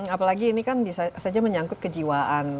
apalagi ini kan bisa saja menyangkut kejiwaan